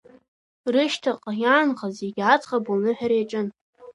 Рышьҭахьҟа иаанхаз зегьы аӡӷаб лныҳәара иаҿын.